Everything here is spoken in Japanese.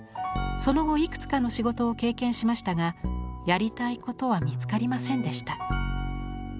その後いくつかの仕事を経験しましたがやりたいことは見つかりませんでした。